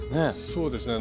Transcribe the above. そうですね